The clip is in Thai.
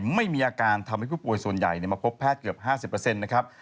ไม่มีอาการทำให้ผู้ป่วยส่วนใหญ่มาพบแพทย์เกือบ๕๐นะครับ